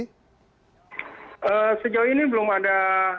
sejauh ini belum ada